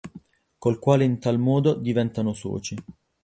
Col quale in tal modo diventano soci,